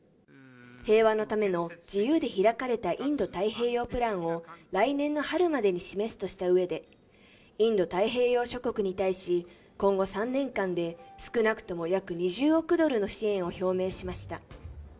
平和のための自由で開かれたインド太平洋プランを来年の春までに示すとしたうえでインド太平洋諸国に対し今後３年間で少なくとも約２０億ドルの支援を表明しました。